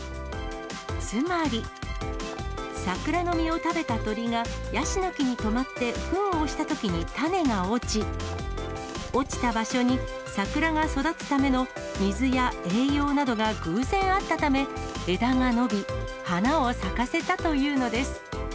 つまり、桜の実を食べた鳥が、ヤシの木にとまってふんをしたときに種が落ち、落ちた場所に桜が育つための水や栄養などが偶然あったため、枝が伸び、花を咲かせたというのです。